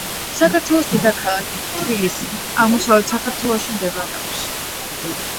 საქართველოს დედაქალაქი თბილისი აღმოსავლეთ საქართველოში მდებარეობს.